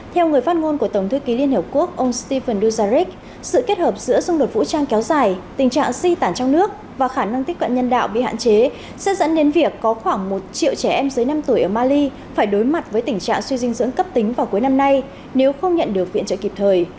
theo người phát ngôn của tổng thư ký liên hợp quốc ông stephen duzaric sự kết hợp giữa xung đột vũ trang kéo dài tình trạng di tản trong nước và khả năng tiếp cận nhân đạo bị hạn chế sẽ dẫn đến việc có khoảng một triệu trẻ em dưới năm tuổi ở mali phải đối mặt với tình trạng suy dinh dưỡng cấp tính vào cuối năm nay nếu không nhận được viện trợ kịp thời